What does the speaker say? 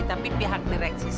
tapi pihak mereksis